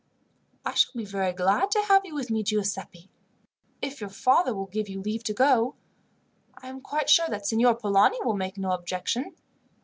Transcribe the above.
"I shall be very glad to have you with me, Giuseppi, if your father will give you leave to go. I am quite sure that Signor Polani will make no objection.